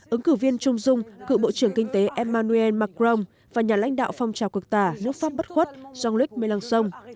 ứng cử viên trung dung cựu bộ trưởng kinh tế emmanuel macron và nhà lãnh đạo phong trào quốc tả nước pháp bất khuất jean luc mélenchon